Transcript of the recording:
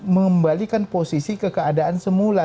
mengembalikan posisi kekeadaan semula